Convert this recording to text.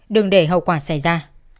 đừng để hậu quả xảy ra